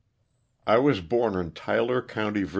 T WAS born in Tyler county, Va.